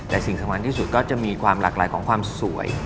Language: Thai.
แต่สิ่งสำคัญที่สุดก็จะมีความหลากหลายของความสวย